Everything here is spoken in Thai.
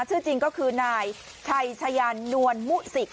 ชื่อจริงก็คือนายชัยชายานนวลมุสิก